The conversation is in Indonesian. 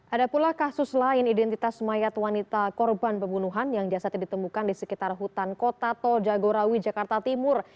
ada pula kasus lain identitas mayat wanita korban pembunuhan yang jasadnya ditemukan di sekitar hutan kota tol jagorawi jakarta timur